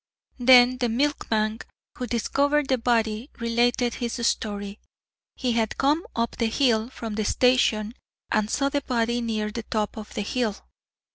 Then the milkman who discovered the body related his story. He had come up the hill from the station and saw the body near the top of the hill.